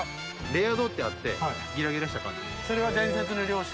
レア度ってあってギラギラしたカード。